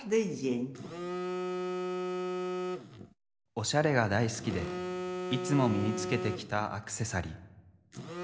おしゃれが大好きでいつも身につけてきたアクセサリー。